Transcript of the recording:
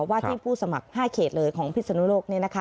ว่าที่ผู้สมัคร๕เขตเลยของพิศนุโลกเนี่ยนะคะ